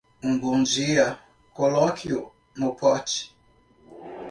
Um bom dia, coloque-o no pote.